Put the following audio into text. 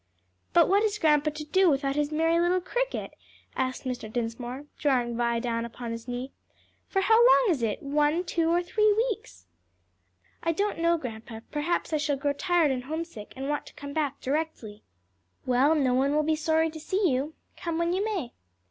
"But what is grandpa to do without his merry little cricket?" asked Mr. Dinsmore, drawing Vi down upon his knee. "For how long is it? one, two, or three weeks?" "I don't know, grandpa; perhaps I shall grow tired and homesick, and want to come back directly." "Well, no one will be sorry to see you, come when you may."